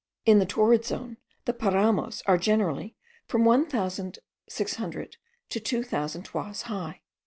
In the torrid zone, the paramos are generally from one thousand six hundred to two thousand toises high.